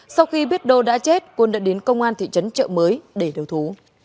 sau khi biết đô đã chết quân đã đến công an thị trấn trợ mới để đầu thú